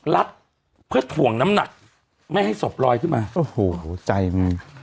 รัดเพื่อถ่วงน้ำหนักไม่ให้ศพลอยขึ้นมาโอ้โหใจมึง